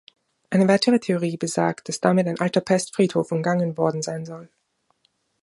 Eine weitere Theorie besagt, dass damit ein alter Pestfriedhof umgangen worden sein soll.